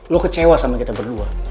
lo kecewa sama kita berdua